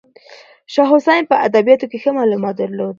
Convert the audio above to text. شاه حسین په ادبیاتو کې ښه معلومات درلودل.